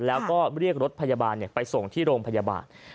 แล้วก็เรียกรถพยาบาลไปส่งที่โรงพยาบาล